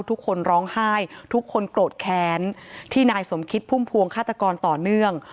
ทุกคนร้องไห้ทุกคนโกรธแค้นที่นายสมคิดพุ่มพวงฆาตกรต่อเนื่อง